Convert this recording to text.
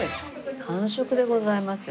完食でございますよ。